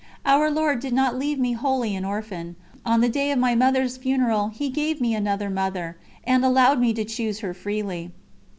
Our Lord did not leave me wholly an orphan; on the day of my Mother's funeral He gave me another mother, and allowed me to choose her freely.